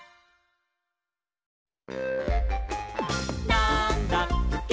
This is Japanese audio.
「なんだっけ？！